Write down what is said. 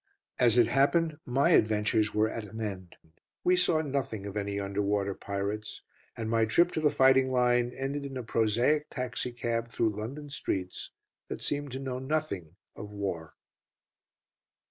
As it happened, my adventures were at an end. We saw nothing of any under water pirates, and my trip to the fighting line ended in a prosaic taxi cab through London streets that seemed to know nothing of war.